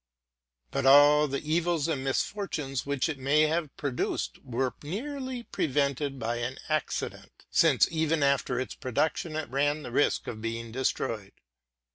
But all the evils and misfortunes which it may have pro duced were nearly prevented by an accident, since even after its production it ran the risk of being destroyed.